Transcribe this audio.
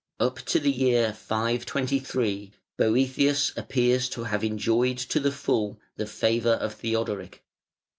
Up to the year 523, Boëthius appears to have enjoyed to the full the favour of Theodoric.